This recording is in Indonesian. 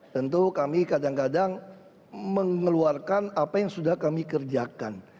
tentu kami kadang kadang mengeluarkan apa yang sudah kami kerjakan